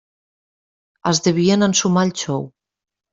Es devien ensumar el xou.